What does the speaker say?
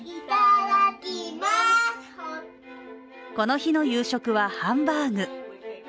この日の夕食はハンバーグ。